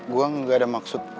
gue gak ada maksud